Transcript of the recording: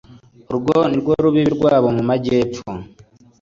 urwo ni rwo rubibi rwabo mu majyepfo